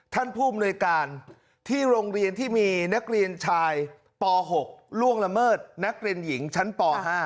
ท่านผู้อำนวยการที่โรงเรียนที่มีนักเรียนชายป๖ล่วงละเมิดนักเรียนหญิงชั้นป๕